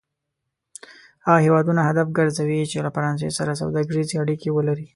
هغه هېوادونه هدف کرځوي چې له فرانسې سره سوداګریزې اړیکې ولري.